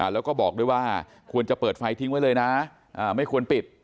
แล้วก็บอกด้วยว่าควรจะเปิดไฟทิ้งไว้เลยนะไม่ควรปิด